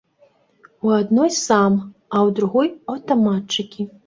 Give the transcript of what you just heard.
У адной сам, а ў другой аўтаматчыкі.